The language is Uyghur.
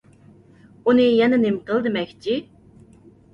ئۇنى يەنە نېمە قىل دېمەكچى؟